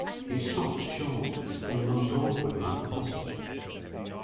He stopped short, in the most awkward manner possible.